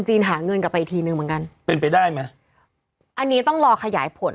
หาเงินกลับไปอีกทีนึงเหมือนกันเป็นไปได้ไหมอันนี้ต้องรอขยายผล